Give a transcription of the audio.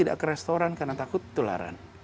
tidak ke restoran karena takut tularan